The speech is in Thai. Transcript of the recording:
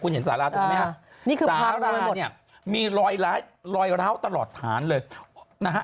เห็นสาราตรงนี้ไหมฮะนี่คือสาราเนี่ยมีรอยร้าวตลอดฐานเลยนะฮะ